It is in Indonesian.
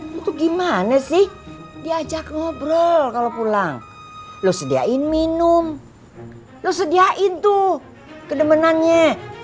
lu tuh gimana sih diajak ngobrol kalo pulang lu sediain minum lu sediain tuh kedemenannya